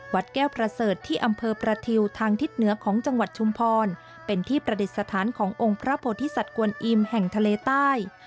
วัดแก้วประเสริฐที่อำเภอประทิวทางทิศเหนือของจังหวัดชุมพรเป็นที่ประดิษฐานขององค์พระโพธิสัตว์กวนอิมแห่งทะเลใต้